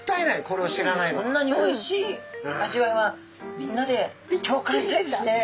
こんなにおいしい味わいはみんなで共感したいですね。